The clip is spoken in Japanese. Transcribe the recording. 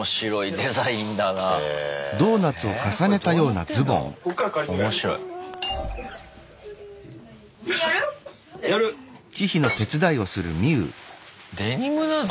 デニムなの？